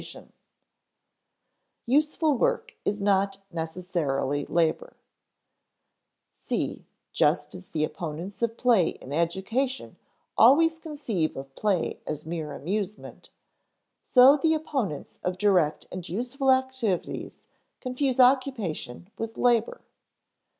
[Sidenote: Useful work is not necessarily labor] (c) Just as the opponents of play in education always conceive of play as mere amusement, so the opponents of direct and useful activities confuse occupation with labor.